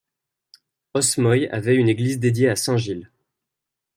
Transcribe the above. Osmoy avait une église dédiée à saint Gilles.